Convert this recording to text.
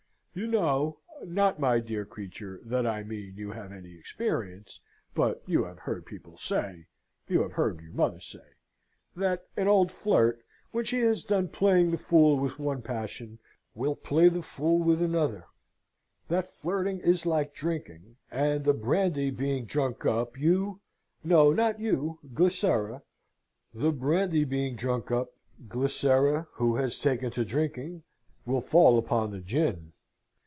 You know (not, my dear creature, that I mean you have any experience; but you have heard people say you have heard your mother say) that an old flirt, when she has done playing the fool with one passion, will play the fool with another; that flirting is like drinking; and the brandy being drunk up, you no, not you Glycera the brandy being drunk up, Glycera, who has taken to drinking, will fall upon the gin.